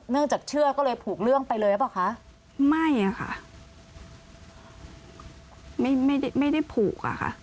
จากเชื่อก็เลยผูกเรื่องไปเลยหรือเปล่าคะไม่ค่ะไม่ไม่ได้ผูกอ่ะค่ะ